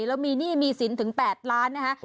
แล้วมีหนี้มีสินถึง๘ล้านนะคะ